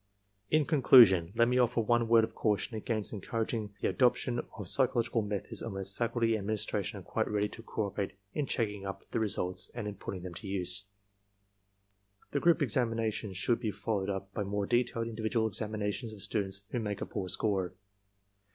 "In conclusion, let me oflfer one word of caution against en couraging the adoption of psychological methods unless faculty and administration are quite ready to cooperate in checking up the results and in putting them to use. The group exam inations should be followed up by more detailed individual , examinations of students who make a poor score.